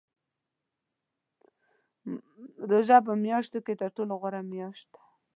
روژه په میاشتو کې تر ټولو غوره میاشت ده .